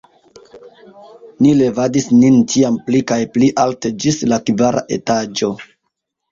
Ni levadis nin ĉiam pli kaj pli alte ĝis la kvara etaĝo.